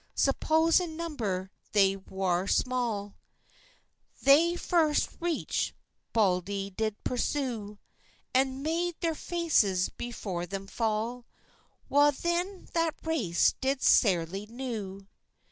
Suppose in number they war small, Thay first richt bauldlie did pursew, And maid thair faes befor them fall, Wha then that race did sairly rew.